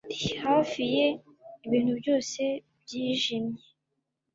hafi ye ibintu byose byijimye